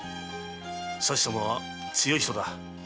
佐知様は強い人だ。